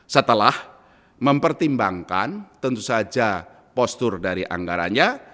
setelah mempertimbangkan tentu saja postur dari anggaranya